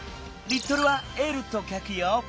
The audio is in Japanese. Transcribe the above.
リットルは「Ｌ」とかくよ。